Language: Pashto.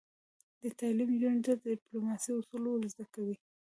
تعلیم نجونو ته د ډیپلوماسۍ اصول ور زده کوي.